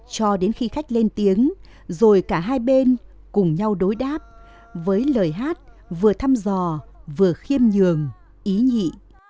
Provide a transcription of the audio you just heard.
cho đến khi khách lên tiếng rồi cả hai bên cùng nhau đối đáp với lời hát vừa thăm dò vừa khiêm nhường ý nhị